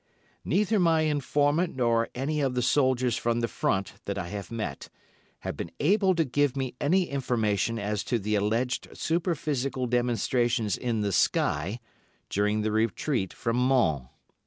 Neither my informant nor any of the soldiers from the Front that I have met have been able to give me any information as to the alleged superphysical demonstrations in the sky during the retreat from Mons.